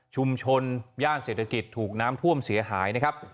ย่านเศรษฐกิจถูกน้ำท่วมเสียหายนะครับ